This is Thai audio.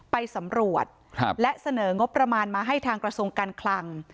ไปสำรวจและเสนองบประมาณมาให้ทางกระทรวงการคลัง